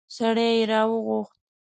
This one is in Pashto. سړی يې راوغوښت.